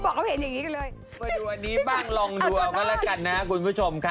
ไปดูอันนี้บ้างลองดูก่อนนะครับคุณผู้ชมคะ